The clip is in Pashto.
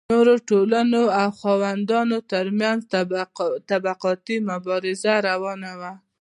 نورو ټولنو او خاوندانو ترمنځ طبقاتي مبارزه روانه وه.